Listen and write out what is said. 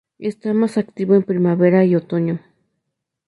Está más activo en primavera y otoño.